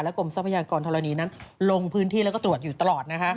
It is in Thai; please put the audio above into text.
กรมทรัพยากรธรณีนั้นลงพื้นที่แล้วก็ตรวจอยู่ตลอด